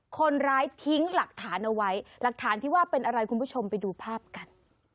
คนร้ายทิ้งหลักฐานเอาไว้หลักฐานที่ว่าเป็นอะไรคุณผู้ชมไปดูภาพกัน